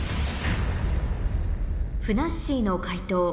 ふなっしーの解答